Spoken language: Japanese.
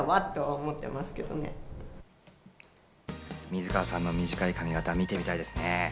水川さんの短い髪形、見てみたいですね。